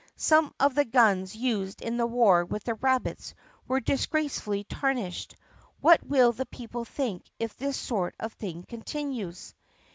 "Some of the guns used in the war with the rab bits were disgracefully tarnished. What will the people think if this sort of thing continues?"